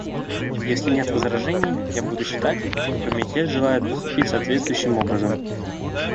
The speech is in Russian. Если нет возражений, я буду считать, что Комитет желает поступить соответствующим образом.